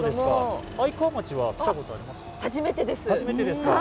初めてですか。